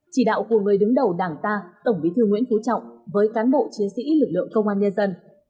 chỉ đạo của người đứng đầu đảng ta tổng bí thư nguyễn phú trọng với cán bộ chiến sĩ lực lượng công an nhân dân